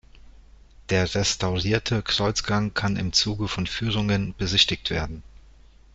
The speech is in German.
Der restaurierte Kreuzgang kann im Zuge von Führungen besichtigt werden.